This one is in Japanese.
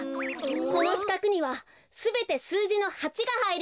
このしかくにはすべてすうじの８がはいります。